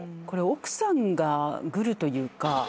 これ奥さんがグルというか。